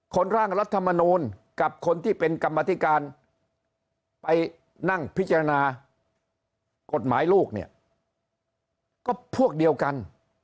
ร่างรัฐมนูลกับคนที่เป็นกรรมธิการไปนั่งพิจารณากฎหมายลูกเนี่ยก็พวกเดียวกัน